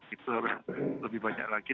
itu harus lebih banyak lagi